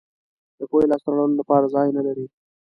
د پوهې لاسته راوړلو لپاره ځای نه لرئ.